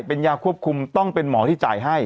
เป็นยาควบคุมต้องเป็นหมอที่จ่ายให้